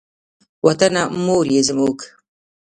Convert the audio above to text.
وطنه مور یې زموږ.